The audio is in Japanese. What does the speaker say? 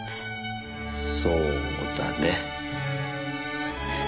そうだね。